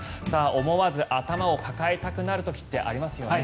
思わず頭を抱えたくなる時ってありますよね。